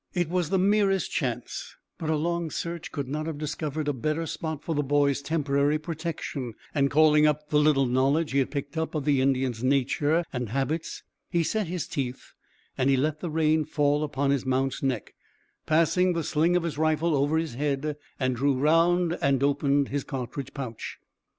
It was the merest chance, but a long search could not have discovered a better spot for the boy's temporary protection, and calling up the little knowledge he had picked up of the Indians' nature and habits, he set his teeth as he let the rein fall upon his mount's neck, passed the sling of his rifle over his head, and drew round and opened his cartridge pouch.